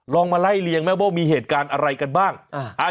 ลองมาไล่เลี่ยงไหมว่ามีเหตุการณ์อะไรกันบ้าง